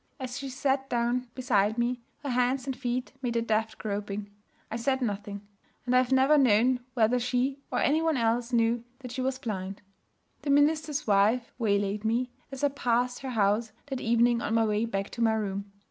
As she sat down beside me, her hands and feet made a deft groping. I said nothing; and I have never known whether she or any one else knew that she was blind. The minister's wife waylaid me, as I passed her house that evening on my way back to my room.